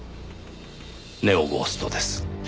ネオゴーストです。